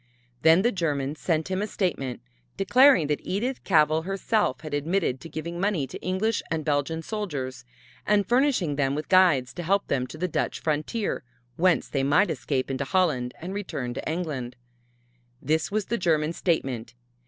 Then the Germans sent him a statement declaring that Edith Cavell herself had admitted giving money to English and Belgian soldiers and furnishing them with guides to help them to the Dutch frontier, whence they might escape into Holland and return to England. This was the German statement.